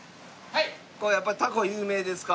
これやっぱタコ有名ですか？